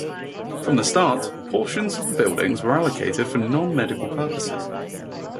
From the start, portions of the buildings were allocated for non-medical purposes.